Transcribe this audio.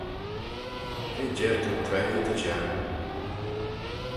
V'eh jerkal treih dy jarroo!